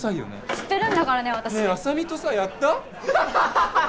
知ってるんだからね浅見とさヤッた？